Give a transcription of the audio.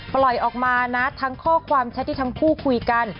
ปล่อยออกมานะทั้งข้อความแชทที่ทั้งคู่คุยกัน